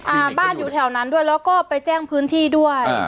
อ่าบ้านอยู่แถวนั้นด้วยแล้วก็ไปแจ้งพื้นที่ด้วยอ่า